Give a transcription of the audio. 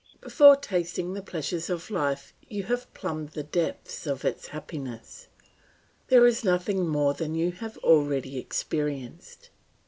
Before tasting the pleasures of life you have plumbed the depths of its happiness. There is nothing more than you have already experienced.